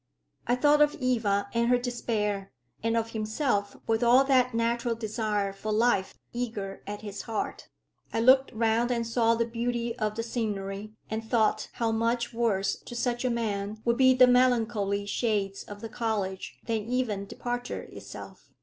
I thought of Eva and her despair, and of himself with all that natural desire for life eager at his heart. I looked round and saw the beauty of the scenery, and thought how much worse to such a man would be the melancholy shades of the college than even departure itself.